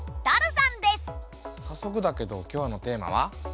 さっそくだけど今日のテーマは？